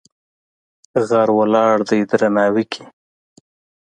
غر ولاړ دی درناوی کې.